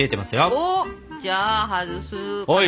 おっじゃあ外すかな。